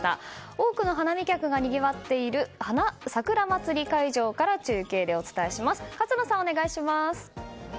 多くの花見客がにぎわっている桜まつり会場から中継でお伝えします。